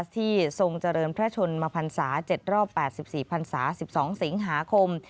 ทรงเจริญพระชนมพันศา๗รอบ๘๔พันศา๑๒สิงหาคม